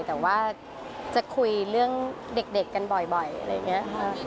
แต่ว่าจะคุยเรื่องเด็กกันบ่อยอะไรอย่างนี้ค่ะ